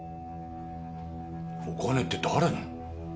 お金って誰の？